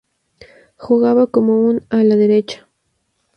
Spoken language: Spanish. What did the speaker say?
Jugaba como un ala derecha.